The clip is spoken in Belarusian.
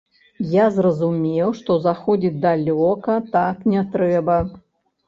Я зразумеў, што заходзіць далёка, так не трэба.